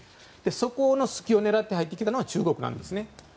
そこの隙を狙って入ってきたのが中国なんですね。